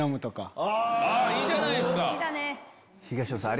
いいじゃないですか！